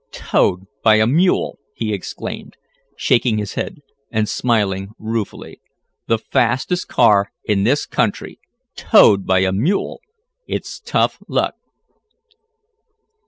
"Towed by a mule!" he exclaimed, shaking his head, and smiling ruefully. "The fastest car in this country towed by a mule! It's tough luck!"